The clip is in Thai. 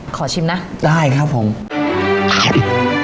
ขอชิมนะได้ครับผมครับ